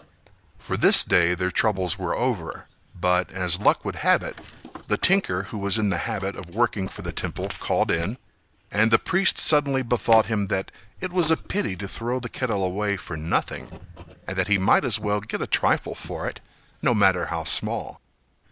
For this day their troubles were over, but as luck would have it, the tinker who was in the habit of working for the temple called in, and the priest suddenly bethought him that it was a pity to throw the kettle away for nothing, and that he might as well get a trifle for it, no matter how small.